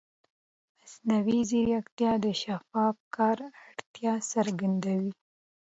مصنوعي ځیرکتیا د شفاف کار اړتیا څرګندوي.